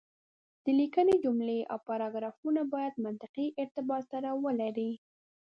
د ليکنې جملې او پاراګرافونه بايد منطقي ارتباط سره ولري.